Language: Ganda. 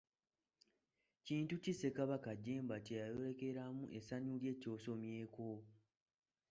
Kintu ki Ssekabaka Jjemba kye yayolekeramu essanyu lye ky' osomyeko?